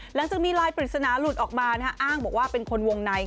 หลังจากมีลายปริศนาหลุดออกมาอ้างบอกว่าเป็นคนวงใน